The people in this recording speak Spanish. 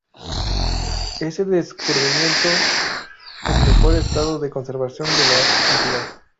Es el escurrimiento en mejor estado de conservación de la entidad.